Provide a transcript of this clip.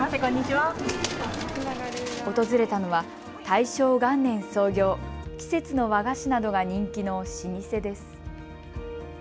訪れたのは大正元年創業、季節の和菓子などが人気の老舗です。